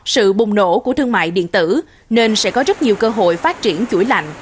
sự bùng nổ của thương mại điện tử nên sẽ có rất nhiều cơ hội phát triển chuỗi lạnh